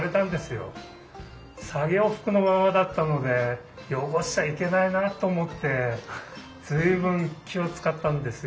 作業服のままだったので汚しちゃいけないなあと思って随分気を遣ったんですよ。